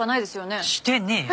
してねえよ。